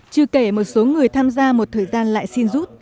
chưa kể một số người tham gia một thời gian lại xin rút